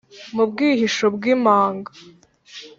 mu bwihisho bw’imanga,